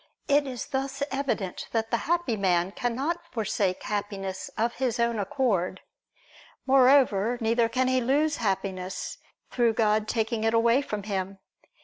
It is thus evident that the happy man cannot forsake Happiness of his own accord. Moreover, neither can he lose Happiness, through God taking it away from him.